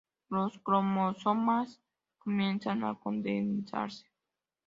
Los cromosomas comienzan a condensarse.